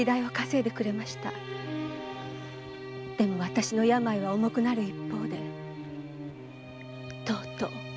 でも私の病は重くなる一方でとうとう。